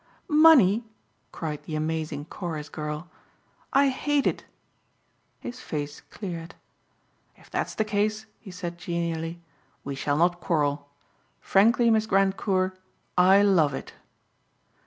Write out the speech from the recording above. "Money!" cried the amazing chorus girl, "I hate it!" His face cleared. "If that's the case," he said genially, "we shall not quarrel. Frankly, Miss Grandcourt, I love it."